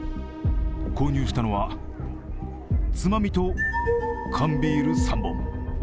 購入したのは、つまみと缶ビール３本。